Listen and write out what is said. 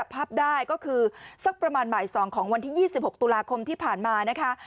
ประมาณบ่าย๒ของวันที่๒๖ตุลาคมที่ผ่านมานะคะ